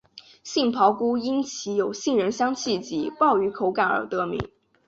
杏鲍菇因其有杏仁香气及鲍鱼口感而得名。